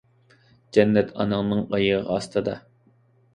جەننەت ئاناڭنىڭ ئايىغى ئاستىدا.